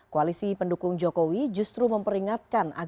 koalisi pendukung jokowi justru memperingatkan